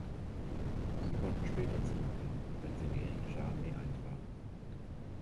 Sie konnten später zurückkehren, wenn sie in die englische Armee eintraten.